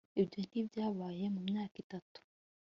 ibyo ntibyabaye mu myaka itatu